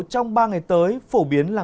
trong ba ngày tới phổ biến là